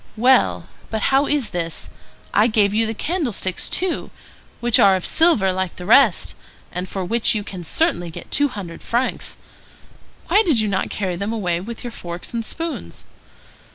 Well, but how is this? I gave you the candlesticks too, which are of silver like the rest, and for which you can certainly get two hundred francs. Why did you not carry them away with your forks and spoons?"